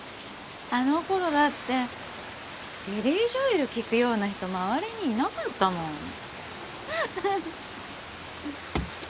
あの頃だってビリー・ジョエル聴くような人周りにいなかったもん。